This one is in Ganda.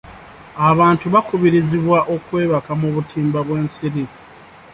Abantu bakubirizibwa okwebaka mu butimba bw'ensiri.